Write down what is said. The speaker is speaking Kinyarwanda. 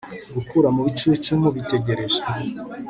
gukura mubucucu mubitegereje